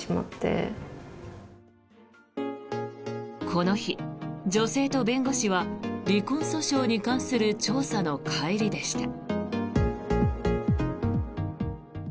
この日、女性と弁護士は離婚訴訟に関する調査の帰りでした。